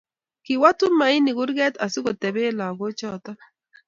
Kiwo Tumaini kurget asikotoben lagochoto